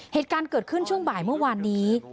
เหตุการณ์เกิดขึ้นช่วงบ่ายเมื่อวานนี้